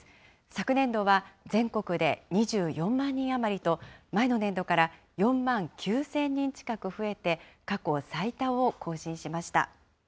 昨年度は全国で２４万人余りと、前の年度から４万９０００人近く増えて、過去最多を更新しました。